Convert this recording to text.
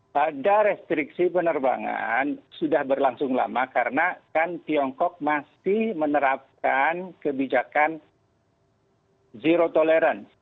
pada restriksi penerbangan sudah berlangsung lama karena kan tiongkok masih menerapkan kebijakan zero tolerance